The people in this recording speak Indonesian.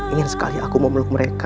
ingin sekali aku memeluk mereka